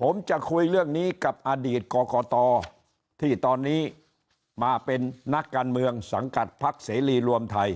ผมจะคุยเรื่องนี้กับอดีตกรกตที่ตอนนี้มาเป็นนักการเมืองสังกัดพักเสรีรวมไทย